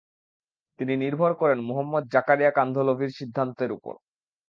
তিনি নির্ভর করেন মুহাম্মদ জাকারিয়া কান্ধলভির সিদ্ধান্তের উপর।